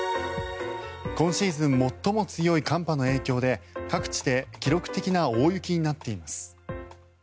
今シーズン最も強い寒波の影響で各地で記録的な大雪になっています。